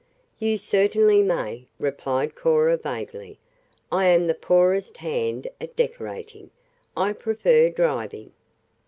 "You certainly may," replied Cora vaguely. "I am the poorest hand at decorating. I prefer driving."